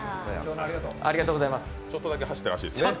ちょっとだけ走ったらしいですね。